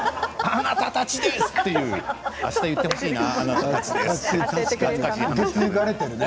あなたたちですってあした言ってほしいな。